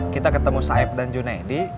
kita ketemu saeb dan junaidy